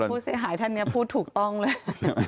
ผู้เสียหายท่านนี้พูดถูกต้องเลย